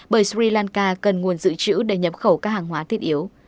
bởi sri lanka cần nguồn dự trữ để nhập khẩu các hàng hóa thiết yếu